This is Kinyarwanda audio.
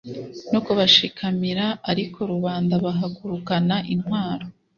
no kubashikamira; ariko rubanda bahagurukana intwaro